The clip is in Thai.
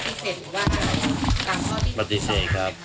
เรามีหมายจับของสารอาญานะ